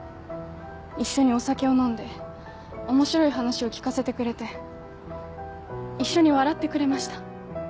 一緒にお酒を飲んで面白い話を聞かせてくれて一緒に笑ってくれました。